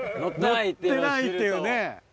載ってないっていうね。